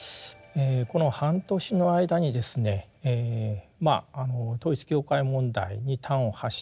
この半年の間にですね統一教会問題に端を発したですね